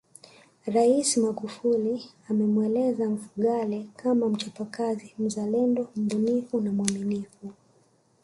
Rais Magufuli amemweleza Mfugale kama mchapakazi mzalendo mbunifu na mwaminifu